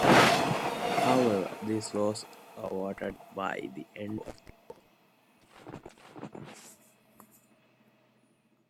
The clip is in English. However, this was averted by the end of the war.